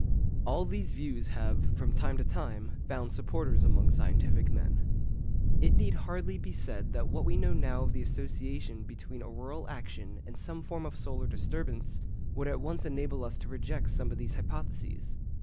All these views have from time to time found supporters among scientific men. It need hardly be said that what we now know of the association between auroral action and some form of solar disturbance, would at once enable us to reject some of these hypotheses.